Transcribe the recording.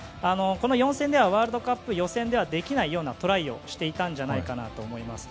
この４戦ではワールドカップ予選ではできないようなトライをしていたんじゃないかと思います。